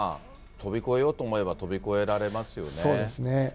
飛び越えようと思えばそうですね。